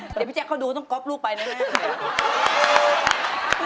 เดี๋ยวพี่แจ๊คเขาดูต้องก๊อบลูกไปนะแม่